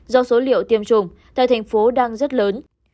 do số liệu tiêm chủng tại thành phố đang rất lớn